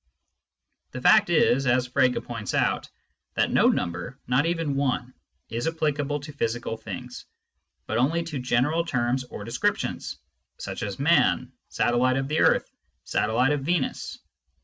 The fact is, as Frege points out, that no number, not even i, is applicable to physical things, but only to general terms or descriptions, such as " man," " satellite of the earth," " satellite of Venus."